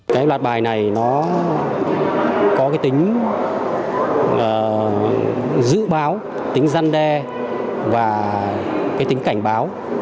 cái loạt bài này nó có cái tính dữ báo tính răn đe và cái tính cao